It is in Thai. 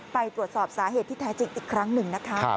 ไปตรวจสอบสาเหตุที่แท้จริงอีกครั้งหนึ่งนะคะ